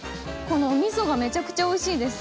このお味噌がめちゃくちゃおいしいです。